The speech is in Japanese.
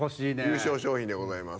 優勝賞品でございます。